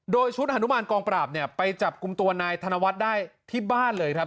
โดยชุดฮานุมานกองปราบเนี่ยไปจับกลุ่มตัวนายธนวัฒน์ได้ที่บ้านเลยครับ